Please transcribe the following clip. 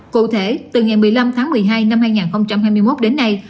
cụ thể từ ngày một mươi năm tháng một mươi hai năm hai nghìn hai mươi một đến nay